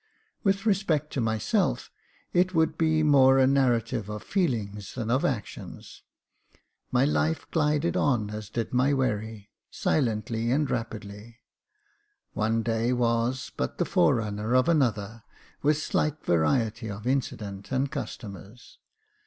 With respect to myself, it would be more a narrative of feelings than of action. My life glided on as did my wherry — silently and rapidly. One day was but the fore runner of another, with slight variety of incident and customers.